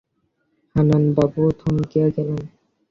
হারানবাবু থমকিয়া গেলেন।